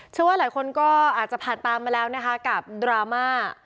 เชื่อว่าหลายคนก็อาจจะผ่านตามมาแล้วนะคะกับดราม่า